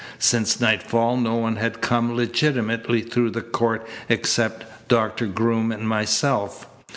Since nightfall no one had come legitimately through the court except Doctor Groom and myself.